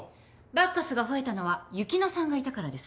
バッカスが吠えたのは雪乃さんがいたからです。